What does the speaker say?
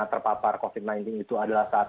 terpapar covid sembilan belas itu adalah saat